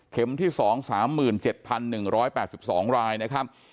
เข็มที่สอง๓๗๑๘๒รายนะครับ